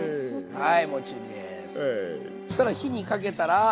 はい。